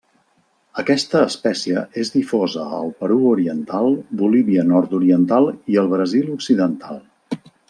Aquesta espècie és difosa al Perú oriental, Bolívia nord-oriental i el Brasil occidental.